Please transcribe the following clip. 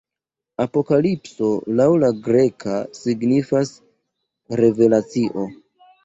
Apokalipso, laŭ la greka, signifas "Revelacio".